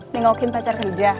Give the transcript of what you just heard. nengokin pacar kerja